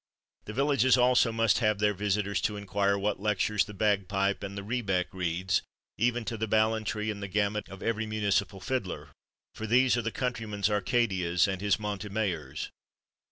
The villages also must have their visit ors to inquire what lectures the bagpipe and the rebeck reads, even to the ballatry and the gamut of every municipal fiddler, for these are the coun tryman 's Arcadias, and his Monte Mayors.